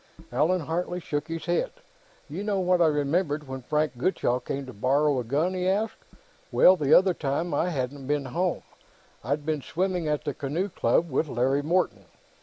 Allan Hartley shook his head. "You know what I remembered, when Frank Gutchall came to borrow a gun?" he asked. "Well, the other time, I hadn't been home: I'd been swimming at the Canoe Club, with Larry Morton.